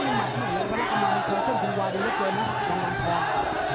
เห็นใหม่ที่เหลือวันกำลังคงช่วยคุณวาดีเยอะเกินครับจังหวานทอง